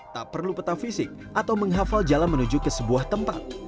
tak perlu peta fisik atau menghafal jalan menuju ke sebuah tempat